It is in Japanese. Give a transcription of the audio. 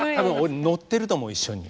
乗ってると思う一緒に。